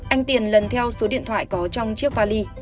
anh tiền lần theo số điện thoại có trong chiếc vali